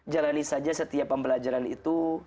jalani saja setiap pembelajaran itu